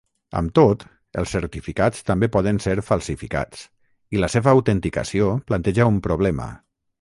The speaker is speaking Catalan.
Amb tot, els certificats també poden ser falsificats i la seva autenticació planteja un problema.